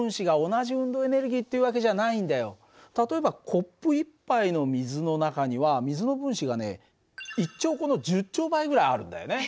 例えばコップ１杯の水の中には水の分子がね１兆個の１０兆倍ぐらいあるんだよね。